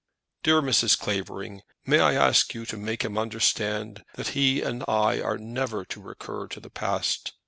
Dear Mrs. Clavering, may I ask you to make him understand that he and I are never to recur to the past?